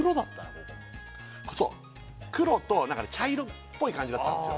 ここそう黒となんかね茶色っぽい感じだったんですよ